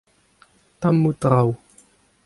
tammoù traoù.